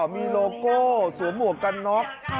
มีโลโก้สวมหมวกกันน็อก